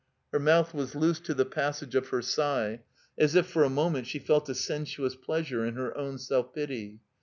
Her mouth was loose to the passage of her sigh, as if for a moment she felt a sensuous pleasure in her own self pity.